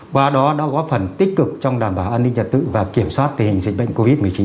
qua đó đã góp phần tích cực trong đảm bảo an ninh trật tự và kiểm soát tình hình dịch bệnh covid một mươi chín